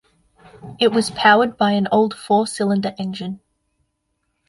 It was powered by an old four cylinder engine.